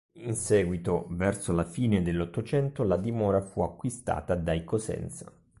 In seguito, verso la fine dell'Ottocento, la dimora fu acquistata dai Cosenza.